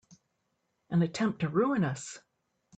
An attempt to ruin us!